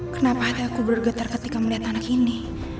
kenapa aku bergetar ketika melihat anak ini